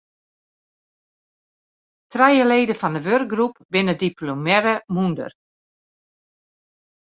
Trije leden fan de wurkgroep binne diplomearre mûnder.